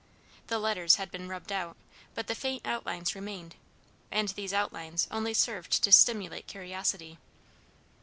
The letters had been rubbed out, but the faint outlines remained, and these outlines only served to stimulate curiosity.